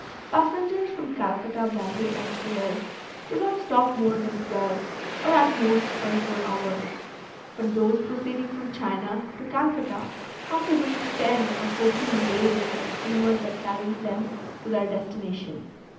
Passengers from Calcutta, Bombay, and Suez, do not stop more than twelve, or, at most, twenty four hours; but those proceeding from China to Calcutta have to wait ten or fourteen days for the steamer that carries them to their destination.